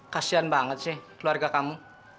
kasian banget sih keluarga kamu